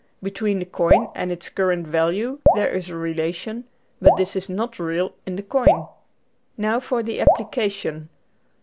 Between the coin and its current value there is a relation, but this is not real in the coin. Now for the application.